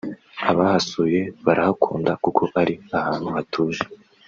abahasuye barahankunda kuko ari ahantu hatuje